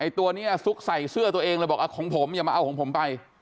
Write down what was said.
ตัวนี้ซุกใส่เสื้อตัวเองเลยบอกของผมอย่ามาเอาของผมไป